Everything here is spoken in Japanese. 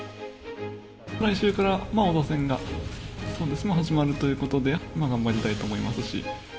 来週から王座戦が始まるということで、頑張りたいと思いますし。